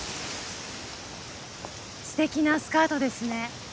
すてきなスカートですね。